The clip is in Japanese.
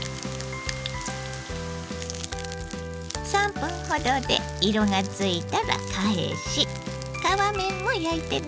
３分ほどで色がついたら返し皮面も焼いてね。